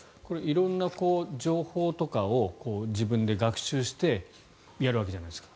色んな情報とかを自分で学習してやるわけじゃないですか。